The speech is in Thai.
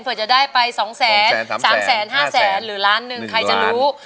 เผื่อจะได้ไป๒แสน๓แสน๕แสนหรือล้านหนึ่งใครจะรู้